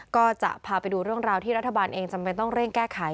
ก็จะพาไปดูเรื่องราวที่รัฐบาลเองจำเป็นต้องเร่งแก้ไข